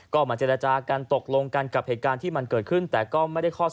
ก็มาเจรจากันตกลงกันกับเหตุการณ์ที่มันเกิดขึ้นแต่ก็ไม่ได้ข้อสอบ